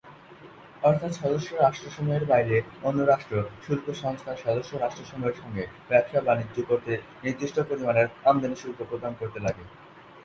অর্থাৎ সদস্য রাষ্ট্রসমূহের বাইরে অন্য রাষ্ট্র শুল্ক সংস্থার সদস্য রাষ্ট্রসমূহের সঙ্গে ব্যবসা-বাণিজ্য করতে নির্দিষ্ট পরিমাণের আমদানি শুল্ক প্রদান করতে লাগে।